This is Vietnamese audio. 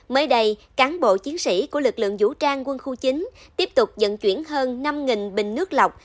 mới đây cán bộ chiến sĩ của lực lượng vũ trang quân khu chín tiếp tục dẫn chuyển hơn năm bình nước lọc